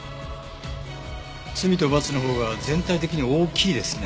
『罪と罰』のほうが全体的に大きいですね。